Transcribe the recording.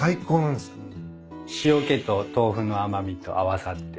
塩気と豆腐の甘味と合わさって。